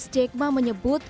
jack ma menyebut